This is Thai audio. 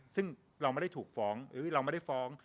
ซึ่งเราไม่ได้ฟ้อง